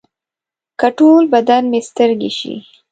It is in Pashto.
که ټول بدن مې سترګې شي.